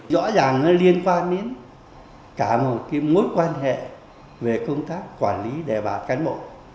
rõ ràng liên quan đến cả một mối quan hệ về công tác quản lý đề bạc cán bộ